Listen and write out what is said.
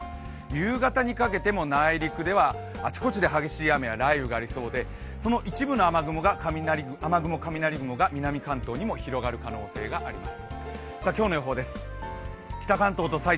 夕方にかけても内陸ではあちこちで雷がありそうでその一部の雨雲、雷雲が南関東にも広がる予報が出ています。